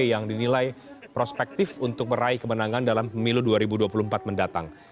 yang dinilai prospektif untuk meraih kemenangan dalam pemilu dua ribu dua puluh empat mendatang